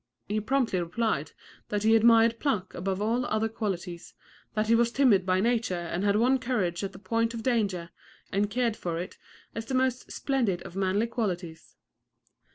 He promptly replied that he admired pluck above all other qualities, that he was timid by nature and had won courage at the point of danger, and cared for it as the most splendid of manly qualities.